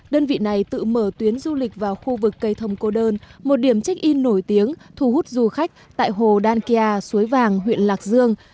đơn vị này tự mở tuyến du lịch vào khu vực cây thông cô đơn một điểm check in nổi tiếng thu hút du khách tại hồ đan kia suối vàng huyện lạc dương